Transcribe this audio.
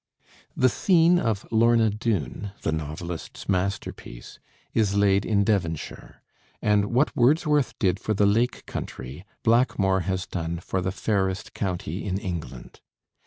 The scene of 'Lorna Doone,' the novelist's masterpiece, is laid in Devonshire; and what Wordsworth did for the lake country, Blackmore has done for the fairest county in England.